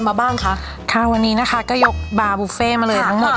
แม่ใช้งานแต่ง